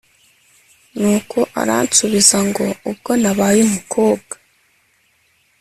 nuko aransubiza ngo ubwo nabaye umukobwa!